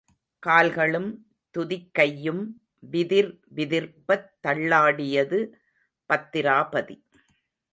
கால்களும் துதிக்கையும் விதிர் விதிர்ப்பத் தள்ளாடியது பத்திராபதி.